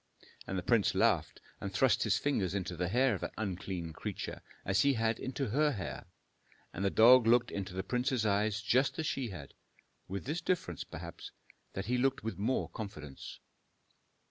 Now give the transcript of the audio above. And the prince laughed and thrust his fingers into the hair of that unclean creature, as he had into her hair. And the dog looked into the prince's eyes just as she had, with this difference, perhaps, that he looked with more confidence.